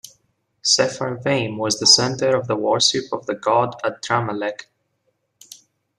Sepharvaim was the center of the worship of the god Adramelech.